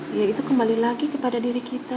ya itu kembali lagi kepada diri kita